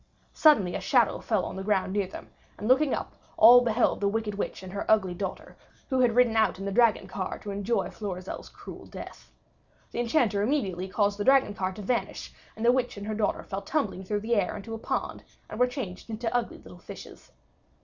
Suddenly a shadow fell on the ground near them, and looking up, all beheld the wicked witch and her ugly daughter, who had ridden out in the dragon car to enjoy Florizel's cruel death. The Enchanter immediately caused the dragon car to vanish, and the witch and her daughter fell tumbling through the air into a pond, and were changed into ugly little fishes.